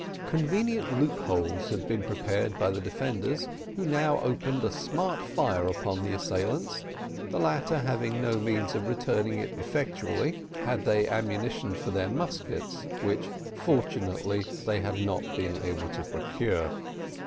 Convenient loop holes had been prepared by the defenders, who now opened a smart fire upon the assailants, the latter having no means of returning it effectually, had they had ammunition for their muskets, which fortunately they had not been able to procure.